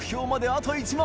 あと１枚！